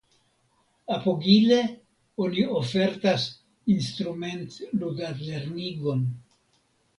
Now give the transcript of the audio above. Apogile oni ofertas instrumentludadlernigon.